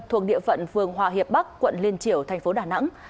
thuộc địa phận phường hòa hiệp bắc quận liên triều tp đà nẵng